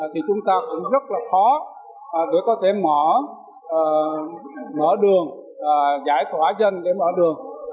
thì chúng ta cũng rất là khó để có thể mở đường giải tỏa dân để mở đường